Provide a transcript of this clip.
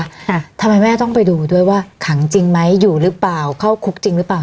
ทำไมแม่ต้องไปดูด้วยว่าขังจริงไหมอยู่หรือเปล่าเข้าคุกจริงหรือเปล่า